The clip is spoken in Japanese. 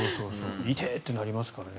いてえ！ってなりますしね。